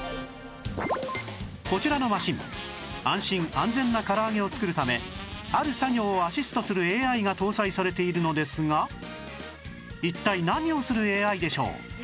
こちらのマシン安心・安全なから揚げを作るためある作業をアシストする ＡＩ が搭載されているのですが一体何をする ＡＩ でしょう？